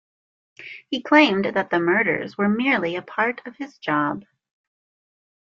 He claimed that the murders were merely a part of his job.